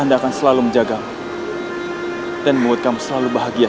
dengan bajuan baru